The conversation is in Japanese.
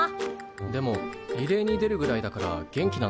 でもリレーに出るぐらいだから元気なんだな。